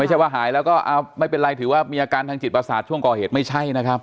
ไม่ใช่ว่าหายแล้วก็ไม่เป็นไรถือว่ามีอาการทางจิตประสาทช่วงก่อเหตุไม่ใช่นะครับ